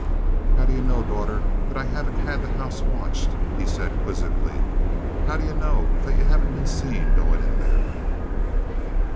"How do ye know, daughter, that I haven't had the house watched?" he said, quizzically. "How do ye know that ye haven't been seen goin' in there?"